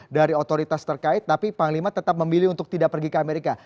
dari otoritas terkait tapi panglima tetap memilih untuk tidak pergi ke amerika